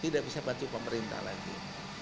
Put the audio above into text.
tidak bisa bantu pemerintah lagi